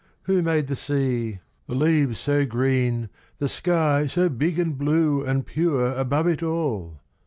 Who made the sea, the leaves so green, the sky So big and blue and pure above it all?